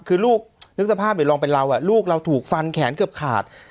คือลูกนึกสภาพหรือลองเป็นเราลูกเราถูกฟันแขนเกือบขาด